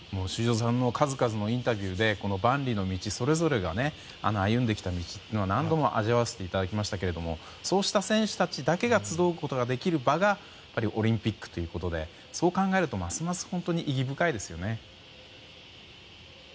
修造さんの数々のインタビューで万里の道、それぞれが歩んできた道というのは何度も味わわせていただきましたけれどもそうした選手たちだけが集うことができる場がオリンピックということでそう考えると、ますます本当に意義深いですよね。